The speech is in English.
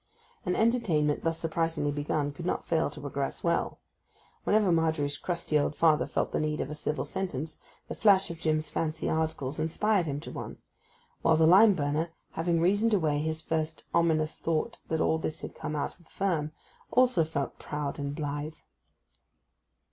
An entertainment thus surprisingly begun could not fail to progress well. Whenever Margery's crusty old father felt the need of a civil sentence, the flash of Jim's fancy articles inspired him to one; while the lime burner, having reasoned away his first ominous thought that all this had come out of the firm, also felt proud and blithe.